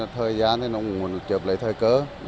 thời gian thì nó muốn chụp lấy thời cớ